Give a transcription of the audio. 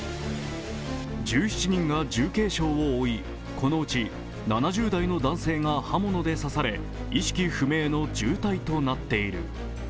１７人が重軽傷を負い、このうち７０代の男性が刃物で刺され、意識不明の重体となっている。